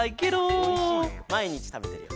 まいにちたべてるよ。